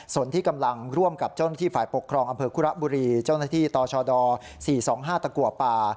ส่วนที่กำลังร่วมกับเจ้าหน้าที่ฝ่ายปกครองอำเภอคุระบุรีเจ้าหน้าที่ตชด๔๒๕ตะกัวป่า